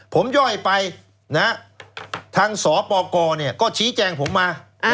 ผมย่อยไปทางสปกก็ชี้แจงผมมา